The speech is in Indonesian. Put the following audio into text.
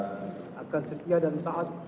yang akan setia dan taat